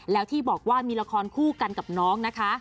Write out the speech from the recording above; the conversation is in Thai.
แล้วที่บอกว่ามีละครคู่กันกับน้องนะคะ